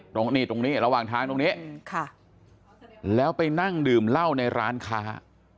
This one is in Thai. ตรงนี้ตรงนี้ระหว่างทางตรงนี้แล้วไปนั่งดื่มเหล้าในร้านค้า